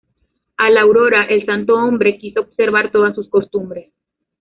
A la aurora el santo hombre quiso observar todas sus costumbres.